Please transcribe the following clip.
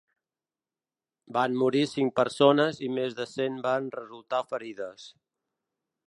Van morir cinc persones i més cent van resultar ferides.